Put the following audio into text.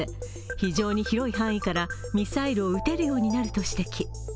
非常に広い範囲からミサイルを撃てるようになると指摘。